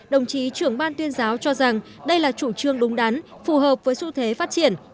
đồng chí trưởng ban tuyên giáo cho rằng đây là chủ trương đúng đắn phù hợp với xu thế phát triển